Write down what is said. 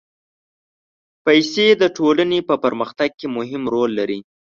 پېسې د ټولنې په پرمختګ کې مهم رول لري.